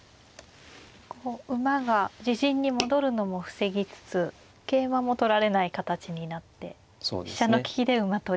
こう馬が自陣に戻るのも防ぎつつ桂馬も取られない形になって飛車の利きで馬取り。